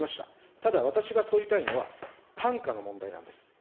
ただ、私が問いたいのは、単価の問題なんです。